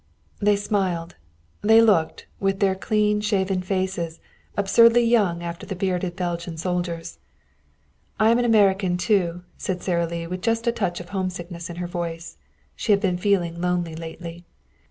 They smiled. They looked, with their clean shaven faces, absurdly young after the bearded Belgian soldiers. "I am an American, too," said Sara Lee with just a touch of homesickness in her voice. She had been feeling lonely lately.